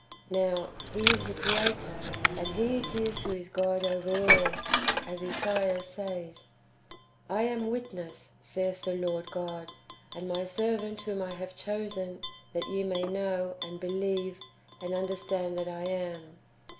Now He is the Creator, and He it is who is God over all, as Esaias says, " I am witness, saith the Lord God, and my servant whom I have chosen, that ye may know, and believe, and understand that I AM.